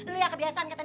lihat kebiasaan kak aden